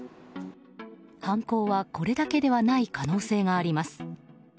犯行はこれだけではない可能性があります。